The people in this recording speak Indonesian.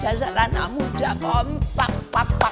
jasadana muda pom pak pap pak